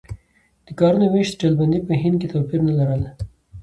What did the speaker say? د کارونو وېش ډلبندي په هند کې توپیرونه نه لرل.